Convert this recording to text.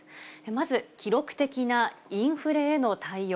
まず、記録的なインフレへの対応。